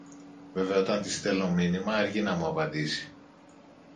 Βέβαια όταν της στέλνω μήνυμα αργεί να μου απαντήσει.